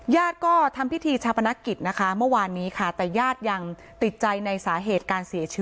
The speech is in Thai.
ญาติก็ทำพิธีชาปนักกิจนะคะ